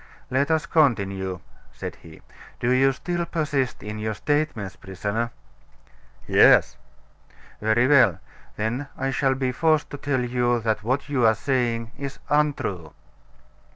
"Let us continue," said he. "Do you still persist in your statements, prisoner?" "Yes." "Very well; then I shall be forced to tell you that what you are saying is untrue."